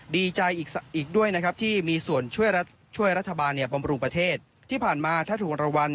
ดีใจอีกด้วยนะครับที่มีส่วนช่วยรัฐบาลเนี่ยบำรุงประเทศที่ผ่านมาถ้าถูกรางวัล